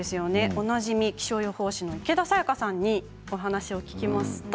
おなじみ気象予報士の池田沙耶香さんに聞きますと。